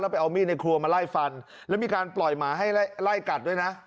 ไปเอามีดในครัวมาไล่ฟันแล้วมีการปล่อยหมาให้ไล่กัดด้วยนะ